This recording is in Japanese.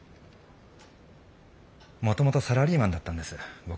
もともとサラリーマンだったんです僕。